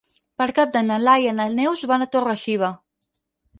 Per Cap d'Any na Laia i na Neus van a Torre-xiva.